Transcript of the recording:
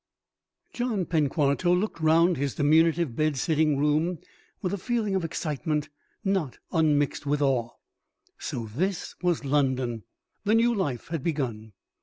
I John Penquarto looked round his diminutive bed sitting room with a feeling of excitement not unmixed with awe. So this was London! The new life had begun.